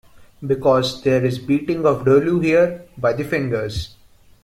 Because there is beating of Dollu here by the fingers.